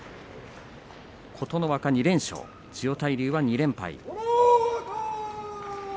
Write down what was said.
琴ノ若２連勝千代大龍は２連敗。